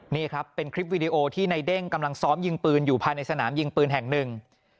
นี่ครับเป็นคลิปวีดีโอที่ในเด้งกำลังซ้อมยิงปืนอยู่ภายในสนามยิงปืนแห่งหนึ่ง